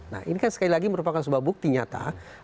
nah ini kan sekali lagi merupakan sebuah bukti nyata